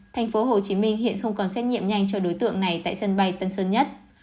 thành phố hồ chí minh hiện không còn xét nhiệm nhanh cho đối tượng này tại sân bay tân sơn nhất